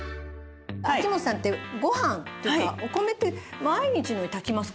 秋本さんってご飯とかお米って毎日のように炊きますか？